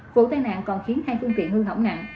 vụ tai nạn còn khiến hai thương tiện hư hỏng ngặn